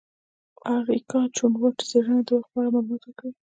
د اریکا چنووت څیړنه د وخت په اړه معلومات ورکوي.